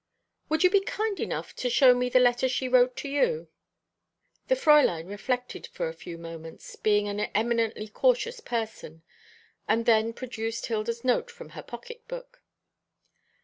"Would you be kind enough to show me the letter she wrote to you?" The Fräulein reflected for a few moments, being an eminently cautious person, and then produced Hilda's note from her pocket book.